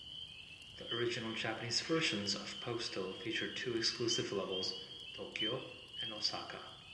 The original Japanese versions of "Postal" featured two exclusive levels, "Tokyo" and "Osaka".